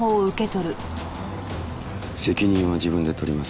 「責任は自分で取ります」